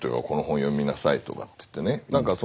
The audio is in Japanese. この本読みなさいとかって言ってね。